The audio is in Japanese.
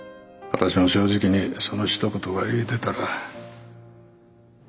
私も正直にそのひと言が言えてたら。